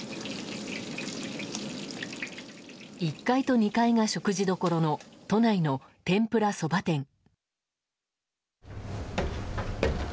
１階と２階が食事どころの都内の天ぷらそば店。